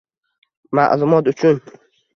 Ma'lumot uchun